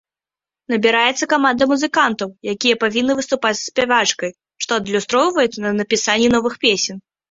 Набіраецца каманда музыкантаў, якія павінны выступаць са спявачкай, што адлюстроўваецца на напісанні новых песен.